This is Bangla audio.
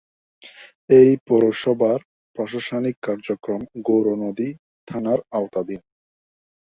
এ পৌরসভার প্রশাসনিক কার্যক্রম গৌরনদী থানার আওতাধীন।